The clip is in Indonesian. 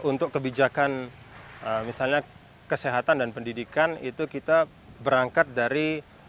jadi untuk kebijakan misalnya kesehatan dan pendidikan itu kita berangkat dari